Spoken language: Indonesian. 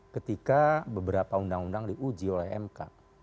ketika beberapa undang undang diuji oleh mk